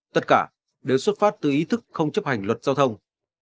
tất cả đều xuất phát từ ý thức không chấp hành luật giao thông